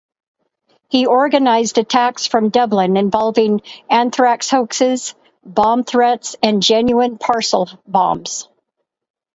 He organised attacks from Dublin involving anthrax hoaxes, bomb threats, and genuine parcel bombs.